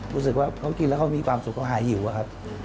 รู้สึกว่าเขากินแล้วเขามีความสุขเขาหายหิวอะครับ